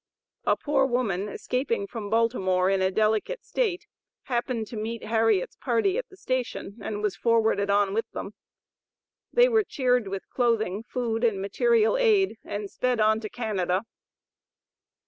A poor woman escaping from Baltimore in a delicate state, happened to meet Harriet's party at the station, and was forwarded on with them. They were cheered with clothing, food, and material aid, and sped on to Canada.